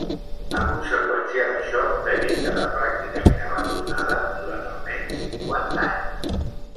A conseqüència d'això, degué quedar pràcticament abandonada durant almenys cinquanta anys.